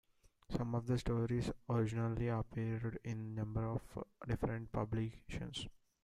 Some of the stories originally appeared in a number of different publications.